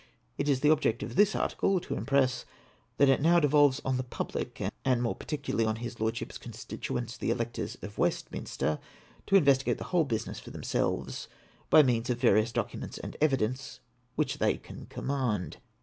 It is the object of this article to impress, that it now devolves on the public, and more particularly on his Lordship's constituents the electors of Westminster, to investigate the whole business for themselves, by means of the various documents and evidence which they can command.